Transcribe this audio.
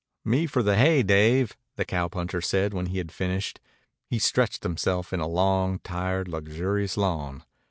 "Me for the hay, Dave," the cowpuncher said when he had finished. He stretched himself in a long, tired, luxurious yawn.